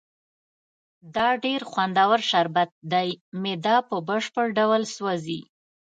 دا ډېر خوندور شربت دی، معده په بشپړ ډول سوځي.